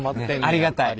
ありがたい。